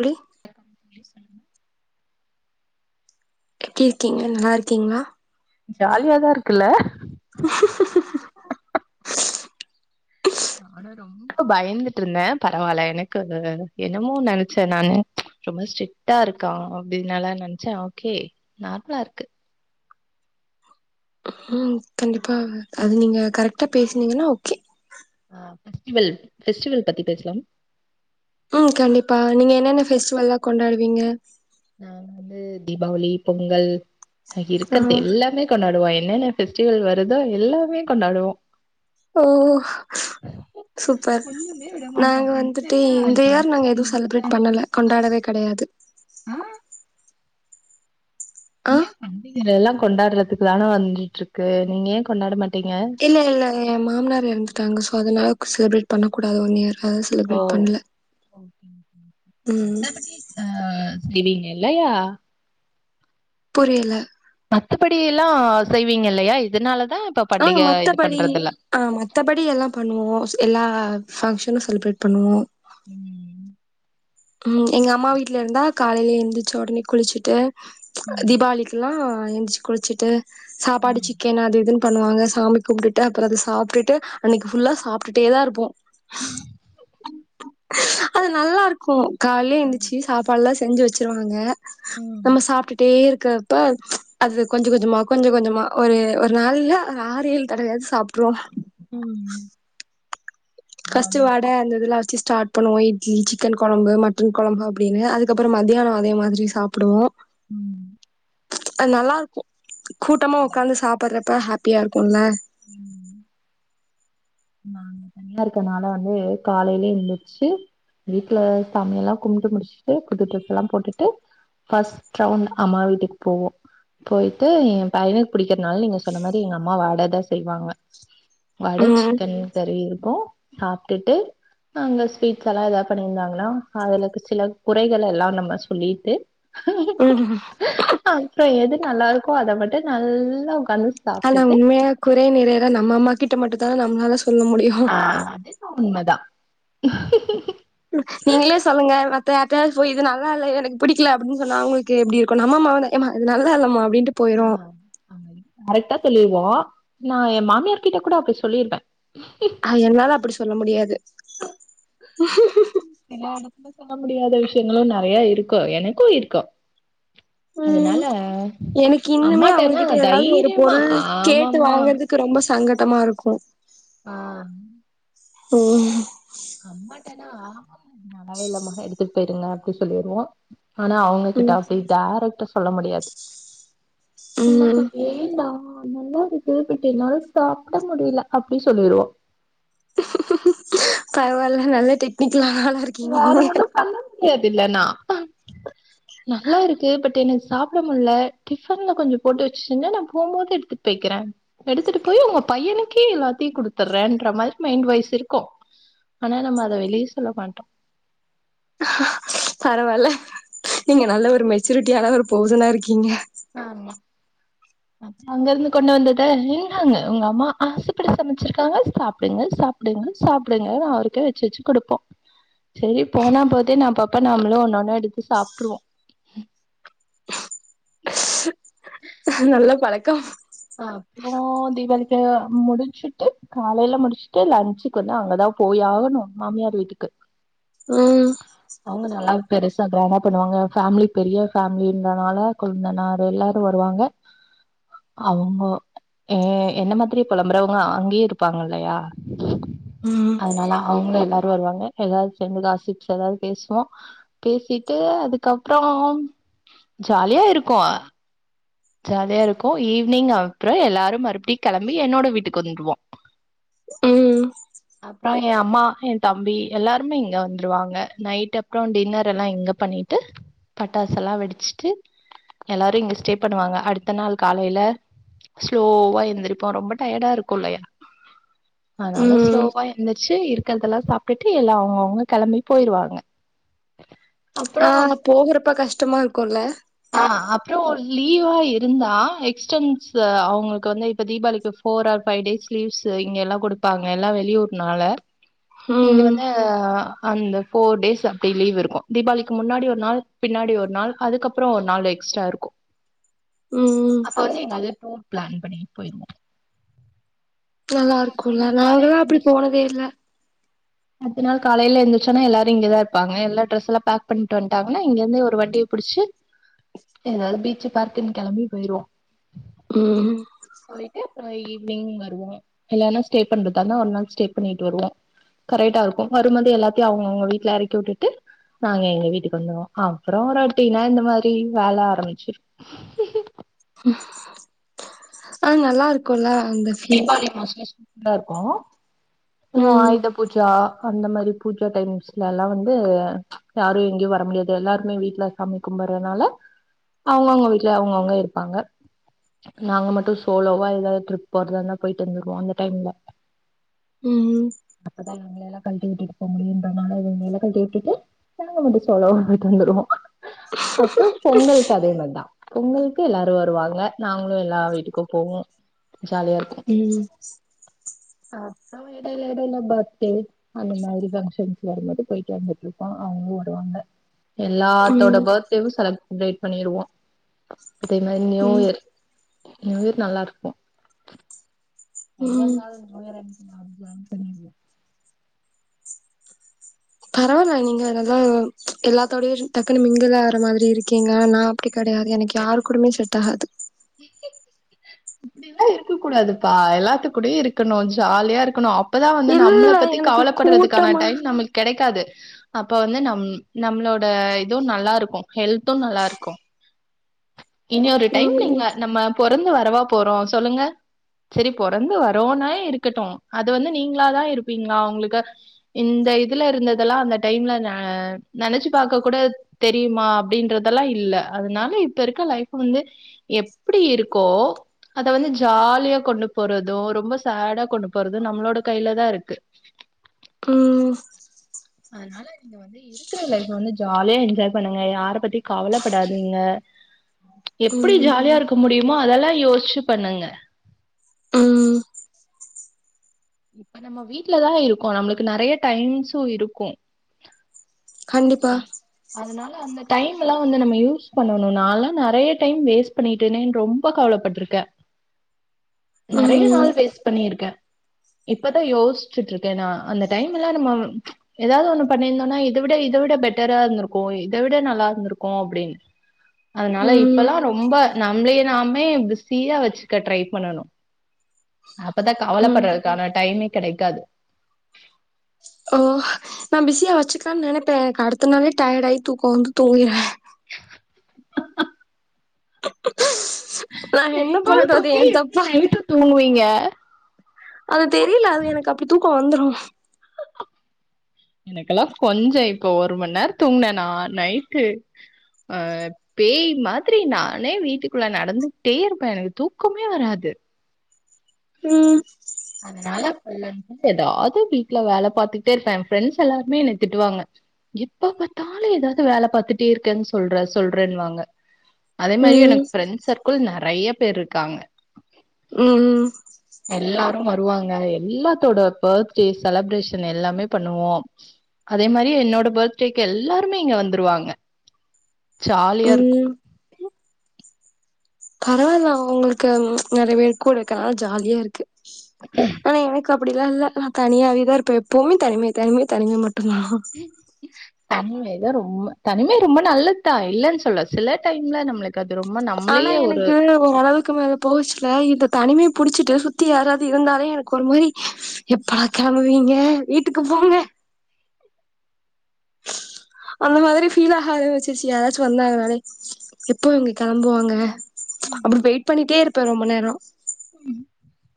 தோழி [inaudible] தோழி சொல்லுங்க எப்படிருக்கீங்க நல்லாருக்கீங்ளா ஜாலியாதா இருக்குல்ல நானு ரொம்ப பயந்துட்டுருந்தே பரவால்ல எனக்கு என்னமோ நெனைச்சே நானு ரொம்ப ஸ்ட்ரிக்டா இருக்கா அப்டினல்லா நெனாச்சே ஓகே நார்மலாருக்கு ம் கண்டிப்பா அது நீங்க கரெக்டா பேசுனீங்கன்னா ஓகே ஆ ஃபெஸ்டிவல் ஃபெஸ்டிவல் பத்தி பேசலாம் ம் கண்டிப்பா நீங்க என்னென்ன பெஃஸ்டிவல்லா கொண்டாடுவீங்க நாங்க வந்து தீபாவளி பொங்கல் ஆ இருக்கர்து எல்லாமே கொண்டாடுவோ என்னென்ன பெஃஸ்டிவல் வருதோ எல்லாமே கொண்டாடுவோ ஓ சூப்பர் ஒண்ணுமே விட மாட்டோ நாங்க வந்துட்டு என்னன்னா இந்த இயர் நாங்க ரம்ஜான் எதுவு செலிப்ரேட் கிம்ஜான் பண்ணல கிறிஸ்மஸ் கொண்டாடவே கெடையாது ஆ ஆ ஏ பண்டிகலெல்லா கொண்டாட்றத்துக்கு தான வந்திட்டுருக்கு நீங்க ஏ கொண்டாட மாட் இல்ல இல்ல ஏ மாமனார் எறந்துட்டாங்க சோ அதனா செலிப்ரேட் பண்ணக்கூடாது ஒன் இயர் அத ஓ செலிப்ரேட் பண்ணல ஓகே ஓகே ஓகே ம் மத்தபடி ஸ் அ செய்வீங்க இல்லையா புரியல மத்தபடி எல்லா செய்வீங்க இல்லையா இதனாலத் ஆ மத்தபடி ஆ மத்தபடி எல்லா பண்ணுவோ எல்லா ஃபங்க்ஷனு செலிப்ரேட் பண்ணுவோ ம் ம் எங்கம்மா வீட்ல இருந்தா காலைல எந்திரிச்ச ஒடனே குளிச்சிட்டு ம் தீபாவளிக்கிலா ஆ எந்திச்சி குளிச்சிட்டு சாப்பாடு சிக்கன் அது இதுனு பண்ணுவாங்க சாமி கும்ப்டுட்டு அப்பற அத சாப்டுட்டு அன்னைக்கு ஃபுல்லா சாப்ட்டுட்டேதா இருப்போ ம் அது நல்லாருக் கு காலல எந்திச்சி சப்பாடுலா செஞ்சு வெச்சுருவோ நாங்க ம் ம் நம்ம சாப்டுட்டுட்டே இருக் கப்ப அது கொஞ்ச கொஞ்சமா கொஞ்ச கொஞ்சமா ஒரு ஒரு நாளுல ஆறு ஏழு தடவையாது சாப்ட்ருவோ ம் ஃபஸ்ட் ஜாலியா வட அந்திதெல்லா வெச்சு ஸ்டார்ட் பண்ணுவோ இட்லி சிக்கன் கொழம்பு மட்டன் கொழம்பு அப்டினு அதுக்கப்ற மத்யான அதே மாதிரி சாப்புடுவோ ம் அது நல்லாருக்கு கூட்டமா உக்காந்து சாப்படற அப்ப ஹாப்பியா இருக்குல்ல ம் ம் நாங்க தனியா இருக்கனால வந்து காலைலயே எந்துருச்சி வீட்ல சாமியெல்லா கும்ப்ட்டு முடிச்சுட்டு புது ட்ரெஸ் எல்லா போட்டுட்டு ஃபஸ்ட் ரவுண்ட் அம்மா வீட்டுக்கு போவோ போயிட்டு எ பையனுக்கு புடிக்கு ங்றனால நீங்க சொன்ன மாரி எங்கம்மா வடத செய்வாங்க வாடச் ம் கண் கறி இருக்கு சாப்டுட்டு அங்க ஸ்வீட்ஸ் எல்லா ஏதா பண்ணிருந்தாங்னா அதுலக்கு சில குறைகள் எல்லா நம்ம சொல்லிட்டு ம் அப்ற எது நல்லாருக்கோ அத மட்டு நல்லா உக்காந்து ஆனா சாப்ட்டுட்டு உண்மையா குறை நிறைலா நம்ம அம்மா கிட்ட மட்டுந்தான நம்ளால ஆ அதென்னோ உண்மதா ம் நீங்களே சொல்லுங்க யார்டாது போய் இது நல்ல இல்ல எனக்கு பிடிக்ல அப்டின்னு சொன்னா அவங்களுக்கு எப்டி இருக்கும் நம்ம மகன யாம்மா நல்லாயில்ல மா ஆஹ் கரெக்டா சொல் போ நான் என் மாமியார்கிட்ட கூட அப்டி சொல்லிருப்பேன் ஹ் என்னால அப்டி சொல்ல முடியாது சில இடத்துல சொல்ல முடியாத விஷ்யங்களு நறையா இருக் டிக்கோ எனக்கு இருக்கோ உஹம் எனக்கு இன்னுமே அம்மாட்டனா அவங்ககிட்ட ஏதாவது ஒரு தைரியமா பொருள் கேட்டு ஆமாம்மா வாங்கறதுக்கு ரொம்ப சங்கடமா இருக்கும் போ ஆஹ் உம்உ நால்லாவே இல்லாம எடுத்துட்டு போயிடுங்க அப்டி சொல்லிருவோ ஆனா அவங்க கிட்ட ம் அப்டி டேரக்டா சொல்ல முடியாது ம் நல்லா இருக்கு பட் என்னால சாப்பிட முடியல அப்டி சொல்லிரோம் பாரவால நல்லடெக்னிக் கிலால இருக்கீங்க நீங்க இது இல்லன்னா நல்லா இருக்கு பட் எனக்கு சாப்பிட முல்ல டிப்பன்ல கொஞ்சம் போட்டுவச்சுன்னா நா போகும் போது எடுத்துட்டு போயக்கிறேன் எடுத்துட்டு போய் உங்க பையனுக்கே எல்லாத்தையும் குடுத்துடுறேன்ற மாதிரி மைண்ட் வாய்ஸ் இருக்கும் ஆனா நம்ம அதை வெளியே சொல்ல மாட்டோ பரவால்ல நீங்க நல்ல ஒரு மெச்சூரிட்டியான ஒரு பெர்சனா இருக்கீங்க ஆமா அங்க இருந்து கொண்டு வந்தத இன்னாங்க உங்க அம்மா ஆசப்படி சமைச்சிருக்காங்க சாப்டுங்க சாப்டுங்க சாப்டுங்க அவருக்கே வச்சு வச்சு கொடுப்போம் சரி போனா போதே நம்ப்பாப்ப நம்மளும் ஒண்ணொ ஒண்ணு எடுத்து சாப்ட்டுருவோம் க அப்புறோம் தீபாவளிக்கு முடிச்சுட்டு காலையில முடிச்சுட்டு லன்ச்சுக்கு வந்து அங்கதான் போய் ஆகணும் மாமியார் வீட்டுக்கு ம் அவ்ங்க நல்லா பெருசா டிரம்மா பண்ணுவாங்க பேம்மிலி பெரிய பேம்மிலங்கனால குழந்தனாறு எல்லாரும் வருவாங்க அவங்க ஏ என்ன மாதிரி புலம்புறவங்க அங்கேயே இருப்பாங்க இல்லயா ம் அதனால அவங்களும் எல்லாரு வருவாங்க எதவது செய்ந்தாசி எதாவது பேசுவோ பேசிட்டு அதுக்கப்புறோ ஜாலியா இருக்கு ஜாலியா இருக்கும் ஈவினிங் அப்புறோம் எல்லாரு மறுபுடி கிளம்பி என்னோட வீட்டுக்கு வந்துருவோ ம் அப்பா என் அம்மா என் தம்பி எல்லாருமே இங்க வந்துருவாங்க நைட் அப்புறோம் டின்னர் எல்லாம் இங்க பண்ணிட்டு பட்டாசை எல்லா வெடிச்சுட்டு எல்லாரு இ்ங்க ஸ்டே பண்ணுவாங்க அடுத்த நாள் காலையில ஸ்லோவா எழுந்திரிப்போ ரொம்ப டயர்டா இருக்கும் ல்ல எனக் அதனல்லா ம் ஸ்லோவா எந்திரச்சு இரு இருக்கிறதெல்லா சாப்பிட்டுட்டு எல்லாம் அவ்ங்க அவ்ங்க கிளம்பி போயிருவாங்க அப்புறம் ஆஹ் போகறப்ப கஷ்டமா இருக்குல ற்றோல். லீவா இருந்தா எக்ஸ்டன்ஸ் அவங்களுக்கு வந்து இப்ப தீபாவளிக்கு four or five days leaves இங்க எல்லாம் கொடுப்பாங்க எல்லாம் வெளியூறுனால. இங்க ம் வந்து. அந்த ஃபோர் டேஸ் அப்டி லீவ் இருக்கும் தீபாவளிக்கு முன்னாடி ஒரு நாள் பின்னாடி ஒரு நாள் அதுக்கப்புறோ ஒரு நாள் எக்ஸ்ட்ரா இருக்கும். ம் அப்பவந்து. தே டூர் பிளான் பண்ணிட்டு போயிருவோ நல்லாருக்குல நாங்கெலா அப்படி எந்திரிச்சோம்னா, போனதே இல்ல அடுத்த நாள் காலைல எந்துருச்சோன எல்லாரு இங்கதா இருப்பாங்க எல்லா டிரஸ் எல்லா பேக் பண்ட்டு வன்ட்டாங்னா இங்க இருந்தே ஒரு வண்டிய புடிச்சு எதாவுது பீச்சு பார்க்குன் கெளம்பி போயிருவோ ம் போயிட்டு அப்றோ ஈவி னிங் வருவோ இல்லனா ஸ்டே பண்றதாருந்தா ஒரு நாள் ஸ்டே பண்ணிட்டு வருவோ கரெக்டா இருக்கு வரும்போதே எல்லாத்தையு அவங்கவுங்க வீட்ல எறக்கி உட்டுட்டு நாங்க எங்க வீட்டுக்கு வந்துருவோ அப்றோ ரொட்டினா இந்த மாரி வேல ஆரம்பிச்சு ஆனா நல்லாருக்குல்ல தீபாளி மோஸ்ட்லி நல்லாருக்கு அப்பற ம் ஆயுத பூஜா அந்த மாரி பூஜா டைம்ஸ்ல எல்லா வந்து யாரு எங்கயு வர முடியாது எல்லாருமே வீட்ல சாமி கும்படறனால அவங்கவுங்க வீட்ல அவங்கவுங்க இருப்பாங்க நாங்க மட்டு சோலோவா எதாவுது டிரிப் போறதா இருந்தா போயிட்டு வந்துக்வோ அந்த டைம்ல ம் ஹ் அவங்களையெல்லா கழ்ட்டி விட்டுட்டு போ முடியுன்றனால அவுங்கள எல்லா கழ்ட்டி விட்டுட்டு நாங்க மட்டு சோலோவா போயிட்டு வந்துருவோ அப்பற பொங்கலுக்கு அதே மாரிதா பொங்கலுக்கு எல்லாரு வருவாங்க நாங்களு எல்லா வீட்டுக்கு போவோ ஜாலியா இருக்கு ம் அப்றோ எடைல எடைல பர்த்டே அந்த மாதிரி பங்க்ஷன் அது மட்டு போய்ட்டு வந்துட்ருப்போ அவுங்ளு வருவாங்க எல்லாத்தோட ம் பர்த்டேவு செலப் ரேட் பண்ணிருவோ அதே மாரி நியூ ம் இயர் எங் ஊர் நல்லா இருக்கு ம் எங்கருந்தாலு ந்யூயர் அன்ன நா வந்து ஜாயின் பண்ணிடுவ பரவாயில்ல நீங்க அததா எல்லாத்தோடையு டக்குன்னு மிங்குல் ஆற மாரி இருக்கீங்க நா அப்டி கடையாது எனக்கு யாரு கூடமே செட் ஆகாது இப்டியெல்லா இருக்க கூடாதுப்பா எல்லாத்துக் கூடையு இருக்கணு ஜாலியா இருக்கணு அ ப்பதா வந்து நம்மள இல்ல பத்தி எனக்கு கவலப்பட்றதுக்கான கூட்டமா டைம் நம்மக் கெடைக்காது அப்ப வந்து நம் நம்ளோட இதுவு நல்லா இருக்கு ஹெல்த்து நல்லா இருக்கு இனி ஒரு டைம் நீங் ம் பொறந்து வரவா போறோ சொல்லுங்க செரி பொறந்து வரோனா இருக்கட்டு அது வந்து நீங்ளாதா இருப்பீங்ளா உங்களுக்கு இந்த இதுல இருந்ததெல்லா அந்த டைம்ல நா நெனச்சு பாக்கக் கூட தெரியுமா அப்டின்றதெல்லா இல்ல அதுனால இப்ப இருக்க லைஃப வந்து எப்டி இருக்கோ அத வந்து ஜாலியா கொண்டு போறதோ ரொம்ப சேடா கொண்டு போறது நம்ளோட கைலதா இருக் கு ம் அத்னால நீங்க வந்து இருக்குற லைஃப வந்து ஜாலியா என்ஜாய் பண்ணுங்க யார பத்தி கவலப்படாதீங்க எப்டி ம் ஜாலியா இருக்க முடி ம்மா அதெல்லா யோசிச்சு பண்ணுங்க ம் இப்ப நம்ம வீட்லதா இருக்கோ நம்ளுக்கு நறைய டைமிங்ஸு இருக்கும் கண்டிப்பா அ அதனால அந்த டைம்முல்லா வந்து நம்ம யூஸ் பண்ணணு நால்லா நறைய டைம் வேஸ்ட் பண்ணிட்டனேன்னு ரொம்ப கவலப்பட்ருக்கே நறைய ம் நாள் வேஸ்ட் பண்ணிருக்கே இப்பதா யோசிச்சுட்டுருக்கே நா அந்த டைமெல்லா நம்ம ஏதாவது ஒண்ணு பண்ணிருந்தோன்னா இத விட இத விட பெட்டரா இருந்துருக்கூ இத விட நல்லா இருந்துருக்கூ அப்புடின் அதனால ம் இப்பல்லா ரொம்ப நம்மலேயே நாமே பிஸியா வச்சுக்க ட்ரை பண்ணணும் அப்பதான் ம் கவலப்படறத்துக்காக டைமிங்க் கெடைக்காது ஓ நான் பிஸியா வச்சுக்கலாம்னு நனைப்பேன் க அடுத்தனாலே டயர்டா ஆயி தூக்கம் வந்து தூங்கிறே நா என்ன இப்போ பண்ணட்டு அது தூங்கி என் எப்பிடி தப்பா நைட்டு தூங்குவீங்க அ அது தெரியல அது எனக்கு அப்பிடி தோ வந்துரும் எனக்கெல்லாம் கொஞ்சம் இப்ப ஒரு மண்நேரம் தூங்கனேனா நைட்டு ஆ பேய் மாதிரி நானே வீட்டுக்குள்ள நடந்துட்டே இருப்பேன் எனக்கு தூக்கமே வராது ம் அதனால ஃபுல் அன்ட் ஃபுல் எதாவது வீட்ல வேல பாத்துட்டே இருப்பேன் என் ஃப்ரெண்ட்ஸ் எல்லாருமே என்ன திட்டுவாங்க எப்ப பாத்தாலும் எதாவது வேல பாத்துட்டே இருக்கேன்னு சொல்ற சொல்றேன்னுவாங்க அதே மாரி ம் எனக்கு ஃபிரெண்ட்ஸ் சர்கிள் நறைய பேர் இருக்காங்க ம்ம் எல்லா அப்பறம் வருவாங்க எல்லாத்தோட பர்த்டே செலப்ரேஷன் எல்லாமே பண்ணுவோம் அதே மாரி என்னோட பர்த்டேக்கு எல்லாருமே இங்க வந்துருவாங்க ஜாலியா இருக்கும் ம் பரவால்ல உங்களுக்கு நறைய பேர் கூட இருக்கனால ஜாலியா இருக்கு ஆனா எனக்கு அப்டிலா இல்ல நா தனியாவேதா இருப்ப எப்வுமே தனிமை தனிமை தனிமை மட் டுந்தா தா ரொம்ப தனிமை ரொம்ப நல்லதுதா இல்லன்னு சொல்ல சில டைம்ல நம்ளுக் ஆனா எனக்கு ஒரளவுக்கு மேல போச்சில்ல இந்த தனிமை புடிச்சிட்டு சுத்தி யாராது இருந்தாலே எனக்கு ஒரு மாரி எப்படா கெளம்புவீங்க வீட்டுக்கு போங்க அந்த மாதிரி ஃபீல் ஆக ஆரம்பிச்சிருச்சி யாராச்சு வந்தாங்கனாலே எப்போ இவங்க கெளம்புவாங்க அப்றோ வெயிட் பண்ணிட்டே இரு ப்ப ரொம்ப நேரம்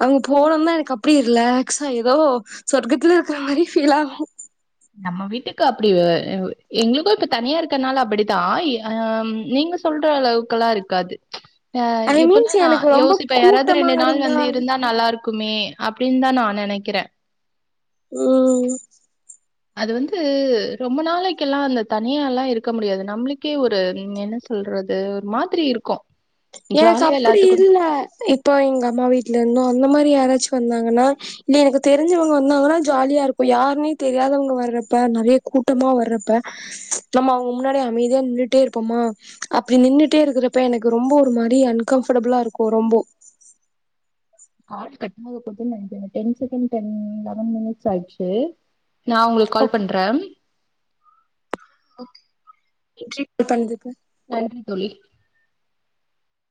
அவங்க [unintelligible] எனக் அ ப்டி ரிலாக்ஸ ஏதோ சொர்க்கத்துல இருக்கற மாரி ஃபீல் ஆகு நம்ம வீட்டுக்கு அப்படி அ எ எங்களுக்கு இப்ப தனியா இருக்கனால அப்படித்தா அ ம் நீங்க சொல்ற அளவுக்கல்லா இருக்காது அ ஐ இப்பல்லா மீன்ஸ் நா எனக்கு ரொம்ப யோசிப்பே யாராவ்து கூட்டமா ரெண்டு நாள் வந்து இருந்தா நல்லா ருக் க்குமே அப்டின் தா நா நெனைக்கிறே உம் அது வந்து ரொம்ப நாளைக்கெல்லா அந்த தனியா எல்லா இருக்க முடியாது நம்ளுக்கே ஒரு ம் என்ன சொல்றது ஒரு மாதிரி இருக்கு எனக்கு அப்படி இல்ல இப்போ எங்க அம்மா வீட்ல இருந்தோ அந்த மாரி ரி யாராச்சு வந்தாங்கன்னா இல்ல எனக்கு தெரிஞ்சவங்க வந்தாங்கன்னா ஜாலியா இருக்கு யாருனே தெரியாதவங்க வர்றப்ப நெறைய கூட்டமா வர்றப்ப ச்ச் நம்ம அவுங்க முன்னாடி அமைதியா நின்னுட்டே இருப்போமா அப்டி நின்னுட்டே இருக்குறப்ப எனக் ரொம்ப ஒரு மாரி அன்கம்ஃபடபுளா இருக்கூ ரொம்போ கால் கட்டாக போதுன் நெனைக்கற ten second ten eleven minutes ஆயிடுச்சு நா உங்களுக்கு ஓ கால் பண்றே [unintelligible] நன்றி தோழி